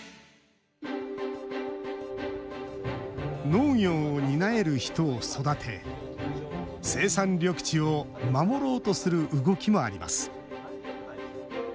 農業を担える人を育て生産緑地を守ろうとする動きもあります。